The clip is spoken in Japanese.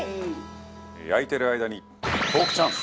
焼いてる間にトークチャンス！